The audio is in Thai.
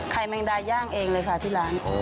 แมงดาย่างเองเลยค่ะที่ร้าน